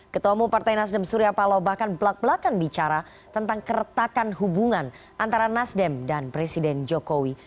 ketua umum partai nasdem surya palo bahkan belak belakan bicara tentang keretakan hubungan antara nasdem dan presiden jokowi